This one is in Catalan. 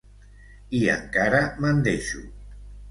I encara me'n deixo.